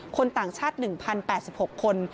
คนต่างชาติ๑๐๘๖คน